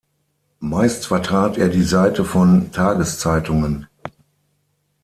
Meist vertrat er die Seite von Tageszeitungen.